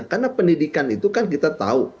karena pendidikan itu kan kita tahu